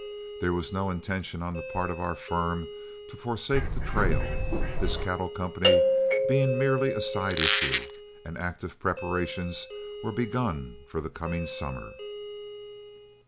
There was no intention on the part of our firm to forsake the trail, this cattle company being merely a side issue, and active preparations were begun for the coming summer.